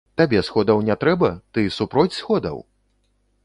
Табе сходаў не трэба, ты супроць сходаў?